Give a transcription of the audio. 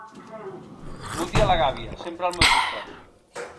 Mut i a la gàbia, sempre al meu costat.